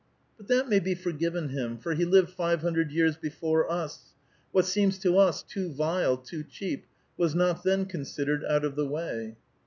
"But that ma3' be forgiven him, for he lived five hundred 3'ears before us ; what seems to us too vile, too cheap, was not then considered out of the way."